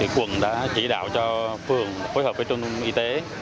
quận đã chỉ đạo cho phường phối hợp với trung tâm y tế